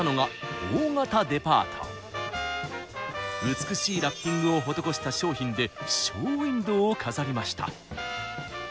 美しいラッピングを施した商品でショーウインドーを飾りました。